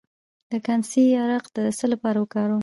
د کاسني عرق د څه لپاره وکاروم؟